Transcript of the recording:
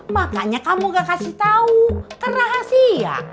makanya kamu gak kasih tahu ke rahasia